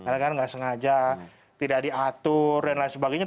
nggak sengaja tidak diatur dan lain sebagainya